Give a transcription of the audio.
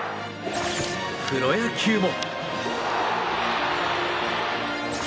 プロ野球も。